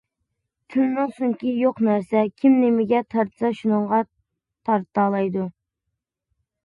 تىلنىڭ سۆڭىكى يوق نەرسە، كىم نېمىگە تارتسا شۇنىڭغا تارتالايدۇ.